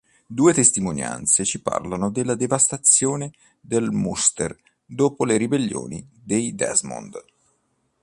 Due testimonianze ci parlano della devastazione del Munster dopo le ribellioni dei Desmond.